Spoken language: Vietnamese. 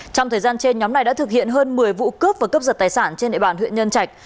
trong thời gian trên nhóm này đã thực hiện hơn một mươi vụ cướp và cướp giật tài sản trên địa bàn huyện nhân trạch